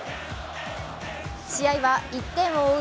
試合は１点を追う